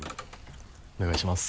お願いします。